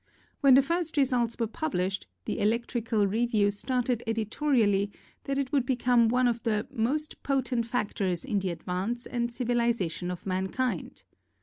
When _ the first results were publisht the Electrical Review stated editorially that it would become one of the "most potent fac tors in the advance and civilization of man kind."